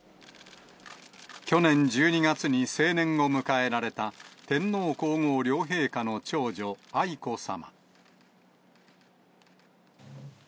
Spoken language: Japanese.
去年１２月に成年を迎えられた天皇皇后両陛下の長女、愛子さま。